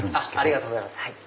ありがとうございます。